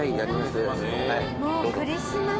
もうクリスマス。